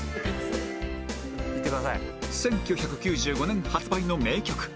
１９９５年発売の名曲